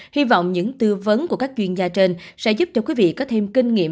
hy vọng những tư vấn của các chuyên gia trên sẽ giúp cho quý vị có thêm kinh nghiệm